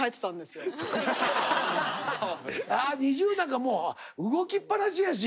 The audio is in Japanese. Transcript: ＮｉｚｉＵなんかもう動きっぱなしやし。